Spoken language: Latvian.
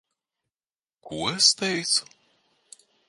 Ko es teicu?